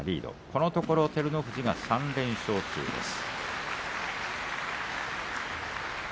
このところ照ノ富士が３連勝中です。